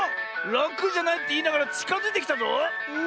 「ラクじゃない」っていいながらちかづいてきたぞ！